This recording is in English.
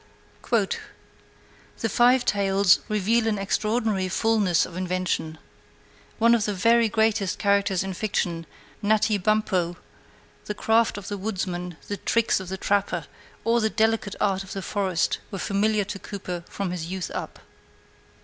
The five tales reveal an extraordinary fulness of invention. ... One of the very greatest characters in fiction, Natty Bumppo.... The craft of the woodsman, the tricks of the trapper, all the delicate art of the forest, were familiar to Cooper from his youth up.